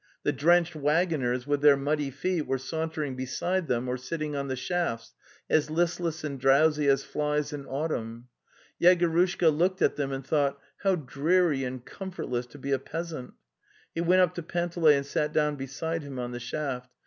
The drenched waggoners, with their muddy feet, were sauntering beside them or sitting on the shafts, as listless and drowsy as flies in autumn. Yego rushka looked at them and thought: '' How dreary and comfortless to be a peasant!'' He went up to Panteley and sat down beside him on the shaft.